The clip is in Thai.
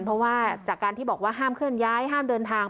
เพราะว่าจากการที่บอกว่าห้ามเคลื่อนย้ายห้ามเดินทาง